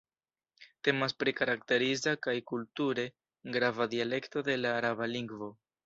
Temas pri karakteriza kaj kulture grava dialekto de la araba lingvo.